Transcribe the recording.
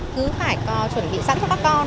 cứ phải có chuẩn bị sẵn cho các con